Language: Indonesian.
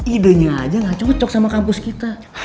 idenya aja gak cocok sama kampus kita